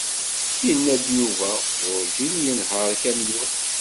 Yenna-d Yuba werǧin yenher akamyun.